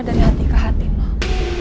dari hati ke hati noh